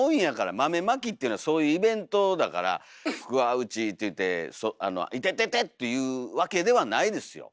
豆まきっていうのはそういうイベントだから「福は内」って言うて「イテテテ！」っていうわけではないですよ。